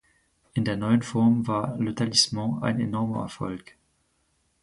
In der neuen Form war "Le Talisman" ein enormer Erfolg.